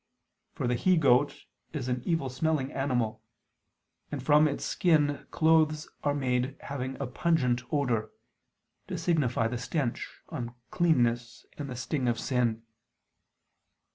For the he goat is an evil smelling animal; and from its skin clothes are made having a pungent odor; to signify the stench, uncleanness and the sting of sin.